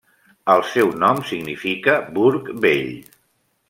El seu nom significa burg vell.